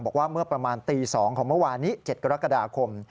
บอกว่าเมื่อประมาณตี๒ของเมื่อวานนี้๗กรกฎาคม